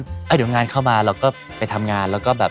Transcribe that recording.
เดี๋ยวงานเข้ามาเราก็ไปทำงานแล้วก็แบบ